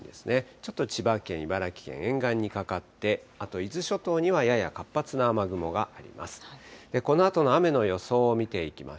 ちょっと千葉県、茨城県沿岸にかかって、あと伊豆諸島にはやや活発な雨雲があります。